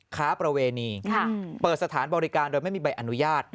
ค้าประเวณีเปิดสถานบริการโดยไม่มีใบอนุญาต